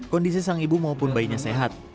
kondisi sang ibu maupun bayinya sehat